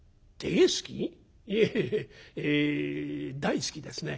「いええ大好きですね」。